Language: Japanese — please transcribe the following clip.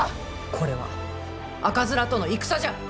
これは赤面との戦じゃ。